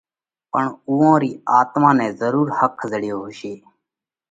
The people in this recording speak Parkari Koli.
پڻ اُوئون رِي آتما نئہ ضرُور ۿک زڙيو هوشي۔